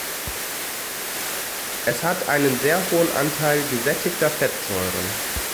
Es hat einen sehr hohen Anteil gesättigter Fettsäuren.